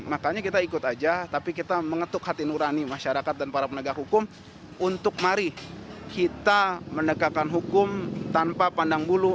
makanya kita ikut aja tapi kita mengetuk hati nurani masyarakat dan para penegak hukum untuk mari kita menegakkan hukum tanpa pandang bulu